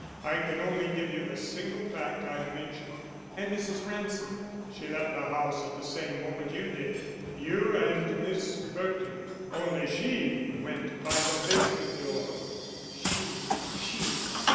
I can only give you the single fact I've mentioned." "And Mrs. Ransom?" "She left the house at the same moment you did; you and Miss Burton. Only she went by the basement door." "She? _She?